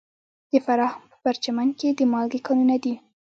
د فراه په پرچمن کې د مالګې کانونه دي.